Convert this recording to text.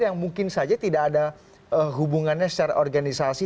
yang mungkin saja tidak ada hubungannya secara organisasi